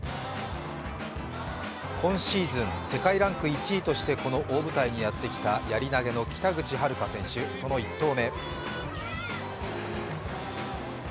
今シーズン世界ランク１位としてこの大舞台にやって来たやり投げの北口榛花選手、その１投目。